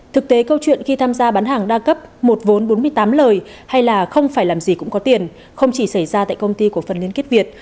thực tế câu chuyện khi tham gia bán hàng đa cấp một vốn bốn mươi tám lời hay là không phải làm gì cũng có tiền không chỉ xảy ra tại công ty của phần liên kết việt